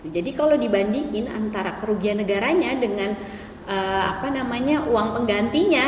jadi kalau dibandingkan antara kerugian negaranya dengan uang penggantinya